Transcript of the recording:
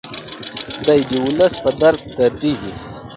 دی د ولس په درد دردیږي.